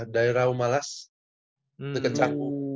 daerah umalas deket canggu